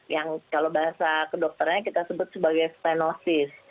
yang kalau bahasa ke dokternya kita sebut sebagai stenosis